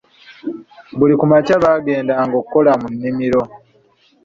Buli ku makya bagenda ng'okola mu nnimiro.